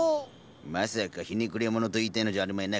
まさかひねくれ者と言いたいのじゃあるまいな？